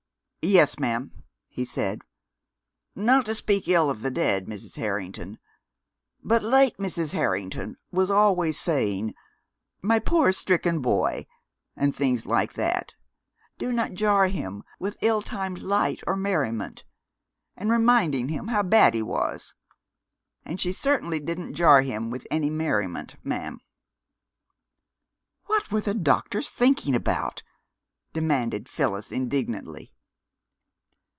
"Yes, ma'am," he said. "Not to speak ill of the dead, Mrs. Harrington, the late Mrs. Harrington was always saying 'My poor stricken boy,' and things like that 'Do not jar him with ill timed light or merriment,' and reminding him how bad he was. And she certainly didn't jar him with any merriment, ma'am." "What were the doctors thinking about?" demanded Phyllis indignantly.